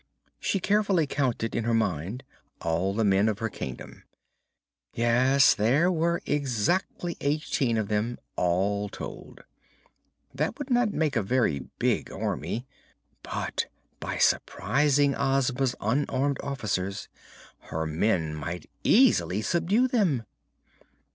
She carefully counted in her mind all the men of her kingdom. Yes; there were exactly eighteen of them, all told. That would not make a very big Army, but by surprising Ozma's unarmed officers her men might easily subdue them.